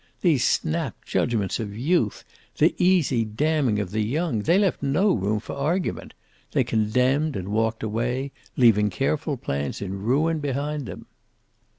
These snap judgments of youth! The easy damning of the young! They left no room for argument. They condemned and walked away, leaving careful plans in ruin behind them.